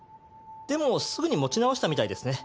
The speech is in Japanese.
でもすぐに持ち直したみたいですね。